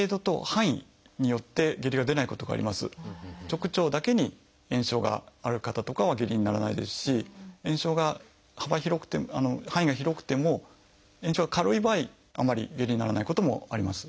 直腸だけに炎症がある方とかは下痢にならないですし炎症が幅広くて範囲が広くても炎症が軽い場合あんまり下痢にならないこともあります。